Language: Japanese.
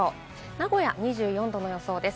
名古屋２４度の予想です。